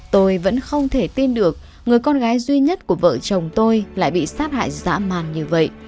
tôi vẫn không thể tin được người con gái duy nhất của vợ chồng tôi lại bị sát hại dã man như vậy